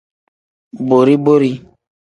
Bori-bori.